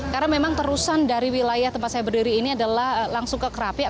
karena memang terusan dari wilayah tempat saya berdiri ini adalah langsung ke kerapiak